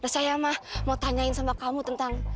saya mah mau tanyain sama kamu tentang